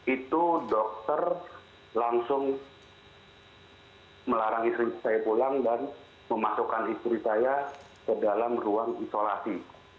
itu dokter langsung melarang istri saya pulang dan memasukkan istri saya ke dalam ruang isolasi